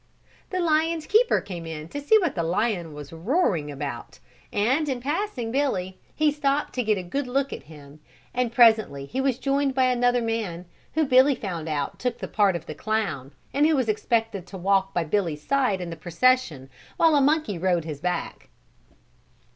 The lion's keeper came in to see what the lion was roaring about and in passing Billy he stopped to get a good look at him, and presently he was joined by another man, who Billy found out took the part of the clown and who was expected to walk by Billy's side in the procession while a monkey rode his back.